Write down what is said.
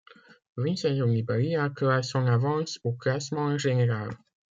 Vincenzo Nibali accroit son avance au classement général.